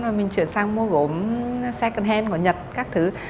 rồi mình chuyển sang mua gỗ second hand của nhật các thứ